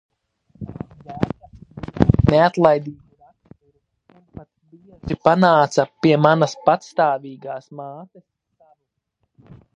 Jēkabs bija ar neatlaidīgu raksturu un pat bieži panāca pie manas patstāvīgās mātes savu.